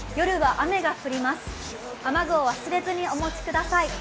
雨具を忘れずにお持ちください。